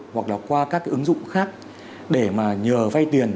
hoặc là qua các cái ứng dụng khác để mà nhờ vay tiền